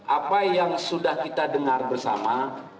apa yang sudah kita dengar bersama